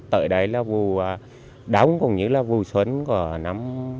tại đấy là vụ đóng cũng như là vụ xuân của năm hai nghìn tám